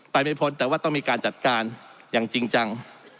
ไม่พ้นแต่ว่าต้องมีการจัดการอย่างจริงจัง